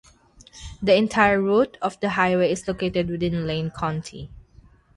The entire route of the highway is located within Lane County.